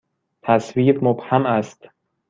تصویر مبهم است.